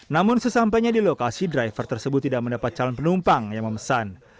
namun sesampainya di lokasi driver tersebut tidak mendapat calon penumpang yang memesan